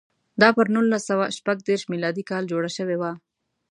دا پر نولس سوه شپږ دېرش میلادي کال جوړه شوې وه.